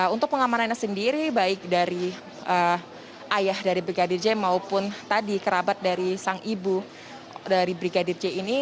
untuk pengamanannya sendiri baik dari ayah dari brigadir j maupun tadi kerabat dari sang ibu dari brigadir j ini